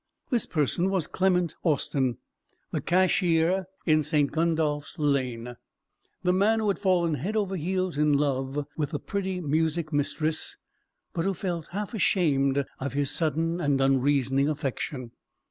This person was Clement Austin, the cashier in St. Gundolph's Lane; the man who had fallen head over heels in love with the pretty music mistress, but who felt half ashamed of his sudden and unreasoning affection.